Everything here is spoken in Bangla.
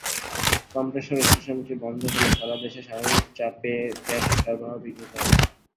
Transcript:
কমপ্রেসর স্টেশনটি বন্ধ হলে সারা দেশে স্বাভাবিক চাপে গ্যাস সরবরাহ বিঘ্নিত হবে।